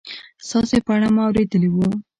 ستاسې په اړه ما اورېدلي و